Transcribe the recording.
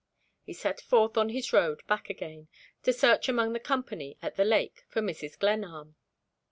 He set forth on his road back again, to search among the company at the lake for Mrs. Glenarm.